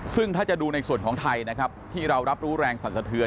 ซึ่งถ้าจะดูในส่วนของไทยนะครับที่เรารับรู้แรงสรรสะเทือน